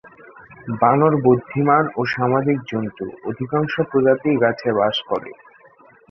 বানর বুদ্ধিমান ও সামাজিক জন্তু; অধিকাংশ প্রজাতিই গাছে বাস করে।